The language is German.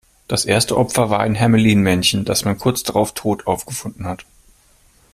Das erste Opfer war ein Hermelin-Männchen, das man kurz drauf tot aufgefunden hat.